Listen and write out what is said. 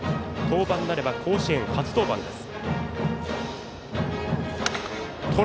登板になれば甲子園、初登板です。